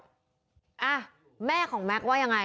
แทนน้ำแม่ของแม็กซ์ว่ายังไง